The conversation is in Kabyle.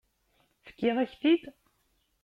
Fkiɣ-ak-t-id?